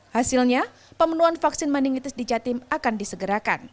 hasilnya pemenuhan vaksin meningitis di jatim akan disegerakan